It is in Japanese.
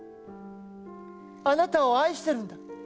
あなたを愛してるんだ。